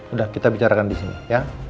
udah kita bicarakan disini ya